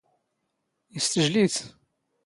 ⵉⵙ ⵜⵊⵍⵉⵜ?